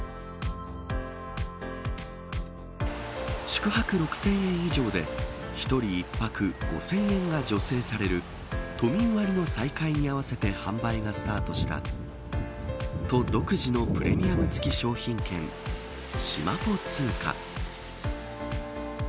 宿泊６０００円以上で１人１泊５０００円が助成される都民割の再開に合わせて販売がスタートした都独自のプレミアム付き商品券しまぽ通貨。